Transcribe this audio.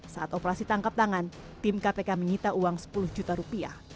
saat operasi tangkap tangan tim kpk menyita uang sepuluh juta rupiah